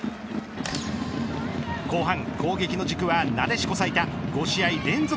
後半攻撃の軸はなでしこ最多５試合連続